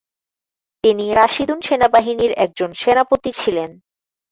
তিনি রাশিদুন সেনাবাহিনীর একজন সেনাপতি ছিলেন।